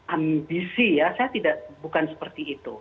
ambisi ya saya bukan seperti itu